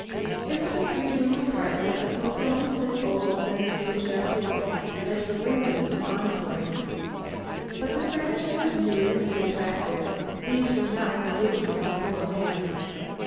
It was a three room apartment that looked almost as old and as disreputable as the rooms in the Enclave. But the furniture was new and attractive; these were not the rooms of a poor man.